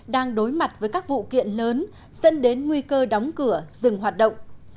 đang đối mặt với các vụ kiện lớn dẫn đến nguy cơ đóng cửa dừng hoạt động